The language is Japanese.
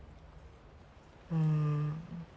うん。